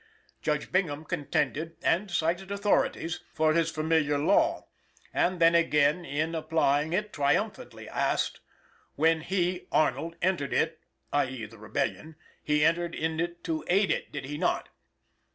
Judge Bingham contended (and cited authorities) for his familiar law, and then again in applying it triumphantly asked: "When he [Arnold] entered it (i. e., the Rebellion) he entered into it to aid it, did he not?"